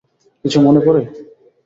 কিছু মনে পড়ে?